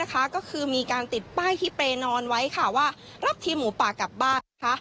ก็คือมีการติดป้ายที่เปรย์นอนไว้ว่ารับทีมหมูป่ากลับบ้าน